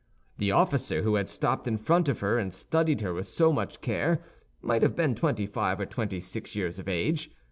The officer who had stopped in front of her and studied her with so much care might have been twenty five or twenty six years of age.